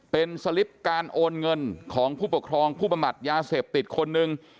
เป็นสลิปการโอนเงินของผู้ปกครองผู้บำบัดยาเสพติดคนหนึ่ง